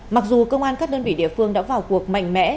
mặc dù công an các đơn vị địa phương đã vào cuộc mạnh mẽ